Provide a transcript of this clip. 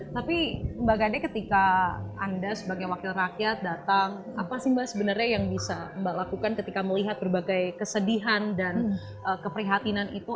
tapi mbak gade ketika anda sebagai wakil rakyat datang apa sih mbak sebenarnya yang bisa mbak lakukan ketika melihat berbagai kesedihan dan keprihatinan itu